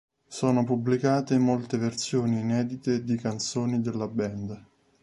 Sono pubblicate molte versioni inedite di canzoni della band.